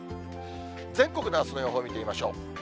全国のあすの予報を見てみましょう。